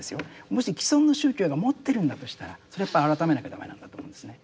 もし既存の宗教が持ってるんだとしたらそれはやっぱ改めなきゃ駄目なんだと思うんですね。